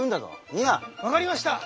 分かりました。